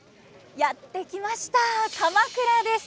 やって来ました鎌倉です。